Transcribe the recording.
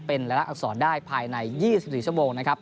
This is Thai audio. เป็นรายละอักษรได้ภายใน๒๔ชั่วโมงนะครับ